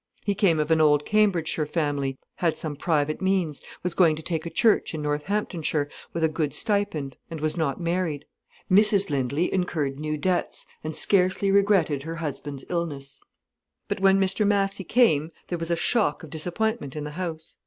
He came of an old Cambridgeshire family, had some private means, was going to take a church in Northamptonshire with a good stipend, and was not married. Mrs Lindley incurred new debts, and scarcely regretted her husband's illness. But when Mr Massy came, there was a shock of disappointment in the house.